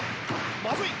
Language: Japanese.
まずい！